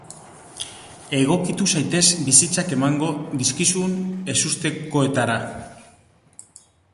Egokitu zaitez bizitzak emango dizkizun ezustekoetara.